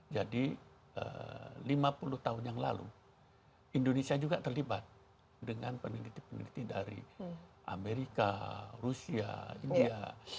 jadi lima puluh tahun yang lalu indonesia juga terlibat dengan peneliti peneliti dari amerika rusia india